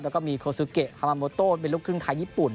แล้วก็มีโคซูเกะฮามาโมโต้เป็นลูกครึ่งไทยญี่ปุ่น